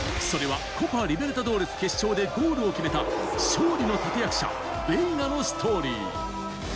それはコパ・リベルタドーレス決勝でゴールを決めた勝利の立役者、ベイガのストーリー。